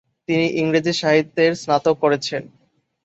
তিনি ইংরেজি সাহিত্যের স্নাতক করেছেন।